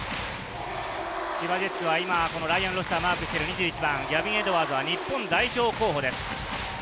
千葉ジェッツはライアン・ロシターとマークしている２１番のギャビン・エドワーズは日本代表候補です。